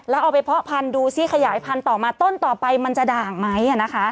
แล้วเอาไปเพาะพันธุ์ดูซิขยายพันธุ์ต่อมาต้นต่อไปมันจะด่างไหม